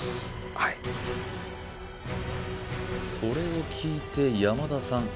はいそれを聞いて山田さん